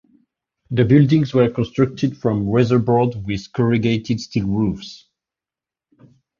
The buildings were constructed from weatherboard with corrugated steel roofs.